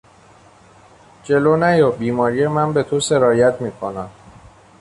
جلو نیا بیماری من به تو سرایت میکند!